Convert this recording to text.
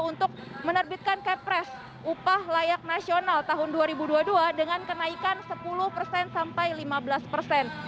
untuk menerbitkan kepres upah layak nasional tahun dua ribu dua puluh dua dengan kenaikan sepuluh persen sampai lima belas persen